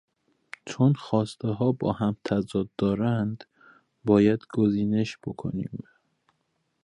چون خواستهها با هم تضاد دارند باید گزینش بکنیم.